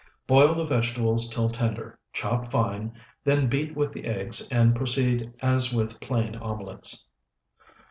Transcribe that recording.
Boil the vegetables till tender, chop fine, then beat with the eggs and proceed as with plain omelets.